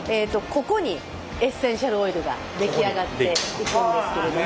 ここにエッセンシャルオイルが出来上がっていくんですけれども。